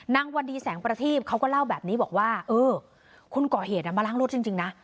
วันดีแสงประทีบเขาก็เล่าแบบนี้บอกว่าเออคนก่อเหตุมาล้างรถจริงนะ